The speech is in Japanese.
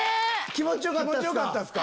気持ちよかったっすか？